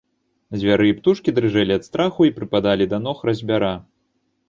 Звяры і птушкі дрыжэлі ад страху і прыпадалі да ног разьбяра.